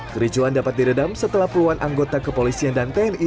kericuan dapat diredam setelah puluhan anggota kepolisian dan tni